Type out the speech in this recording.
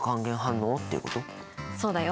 そうだよ。